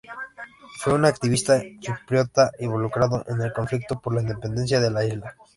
Fue un activista chipriota involucrado en el conflicto por la independencia de la isla.